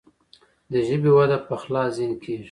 د ژبې وده په خلاص ذهن کیږي.